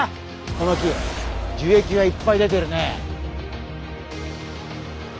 この木樹液がいっぱい出てるね。